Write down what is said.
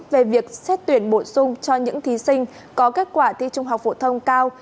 về việc xét tuyển bổ sung cho những thí sinh có kết quả thi trung học phổ thông cao